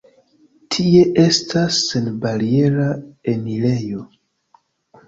Tie estas senbariera enirejo.